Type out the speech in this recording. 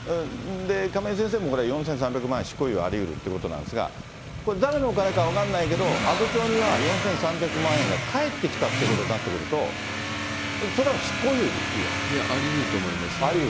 亀井先生もこれ４３００万円執行猶予ありうるということなんですが、これ、誰のお金か分からないけど、阿武町には４３００万円が返ってきたということになってくると、いやありうると思います。